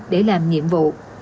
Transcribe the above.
để làm nhiệm vụ